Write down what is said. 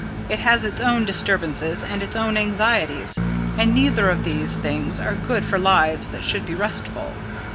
It has its own disturbances and its own anxieties, and neither of these things are good for lives that should be restful.